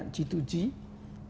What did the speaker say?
baik itu yang sifatnya g dua g